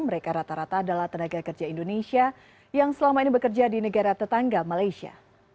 mereka rata rata adalah tenaga kerja indonesia yang selama ini bekerja di negara tetangga malaysia